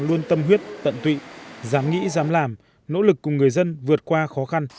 luôn tâm huyết tận tụy dám nghĩ dám làm nỗ lực cùng người dân vượt qua khó khăn